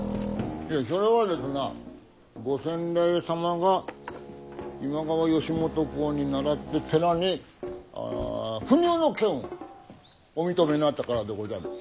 いやひょれはですなご先代様が今川義元公に倣って寺にあ不入の権をお認めになったからでごじゃる。